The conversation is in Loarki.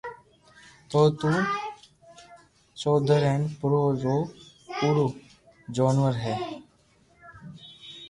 تو تو جونور ھي پرو رو پورو جونور ھي